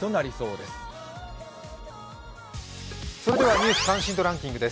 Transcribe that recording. ニュース関心度ランキングです。